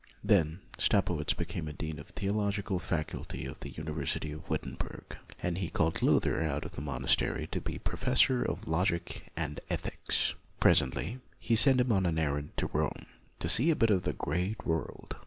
Then Staupitz became dean of the theo logical faculty of the University of Wit tenberg, and he called Luther out of the monastery to be professor of logic and ethics. Presently he sent him on an errand to Rome, to see a bit of the great world.